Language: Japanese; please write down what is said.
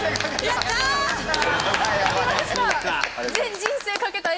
やった。